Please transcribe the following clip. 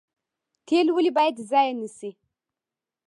تیل ولې باید ضایع نشي؟